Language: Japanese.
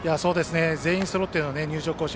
全員そろっての入場行進